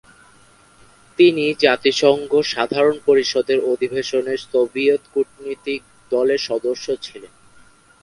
তিনি জাতিসংঘ সাধারণ পরিষদের অধিবেশনে সোভিয়েত কূটনৈতিক দলের সদস্য ছিলেন।